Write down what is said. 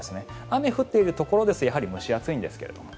雨が降っているところですと蒸し暑いんですが。